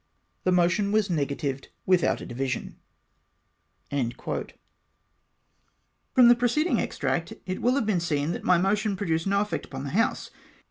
" The motion was negatived without a division."* From the preceding extract it will have been seen that my motion produced no effect upon the House.